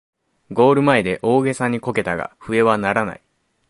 ゴール前で大げさにこけたが笛は鳴らない